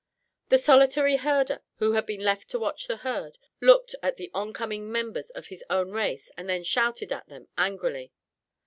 The solitary herder, who had been left to watch the herd, looked at the on coming members of his own race and then shouted at them angrily.